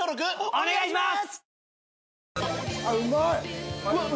お願いします！